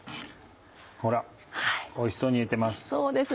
ほらおいしそうに煮えてます。